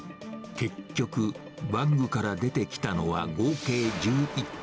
結局、バッグから出てきたのは、合計１１点。